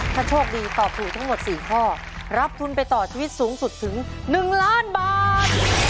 ถ้าโชคดีตอบถูกทั้งหมด๔ข้อรับทุนไปต่อชีวิตสูงสุดถึง๑ล้านบาท